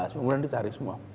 kemudian dicari semua